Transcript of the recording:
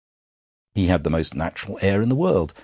He had the most natural air in the world.